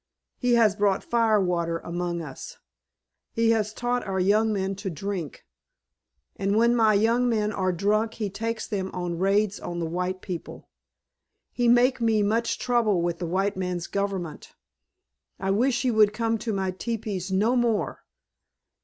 He has brought fire water among us, he has taught our young men to drink. And when my young men are drunk he takes them on raids on the white people. He make me much trouble with the white man's government. I wish he would come to my teepees no more."